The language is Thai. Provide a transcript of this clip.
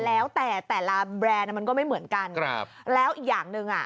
แล้วแต่แต่ละแบรนด์มันก็ไม่เหมือนกันครับแล้วอีกอย่างหนึ่งอ่ะ